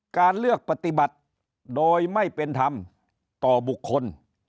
การเลือกปฏิบัติโดยไม่เป็นธรรมต่อบุคคล